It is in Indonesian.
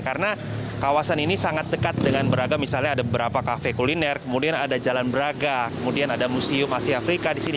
karena kawasan ini sangat dekat dengan beragam misalnya ada beberapa kafe kuliner kemudian ada jalan beragam kemudian ada museum asia afrika di sini